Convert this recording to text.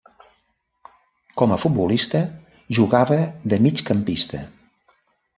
Com a futbolista jugava de migcampista.